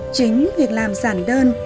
chính việc làm giản đơn